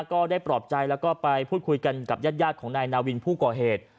ก็ได้ปลอบใจแล้วก็ไปพูดคุยกันกับญาติของนายนาวินผู้ก่อเหตุ